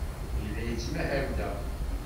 Yella yettmahal da.